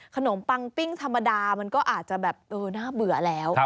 ปังปิ้งธรรมดามันก็อาจจะแบบเออน่าเบื่อแล้ว